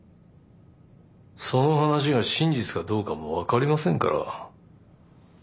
その話が真実かどうかも分かりませんから。